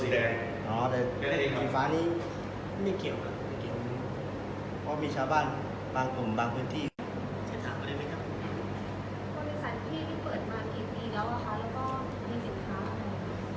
แล้วก็มีสินค้าอะไร